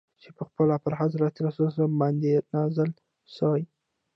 چي پخپله پر حضرت رسول ص باندي نازل سوی.